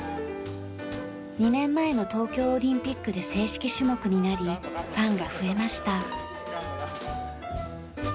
２年前の東京オリンピックで正式種目になりファンが増えました。